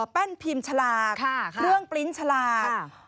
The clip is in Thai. แป้นพิมพ์ฉลากเครื่องปลิ้นฉลาก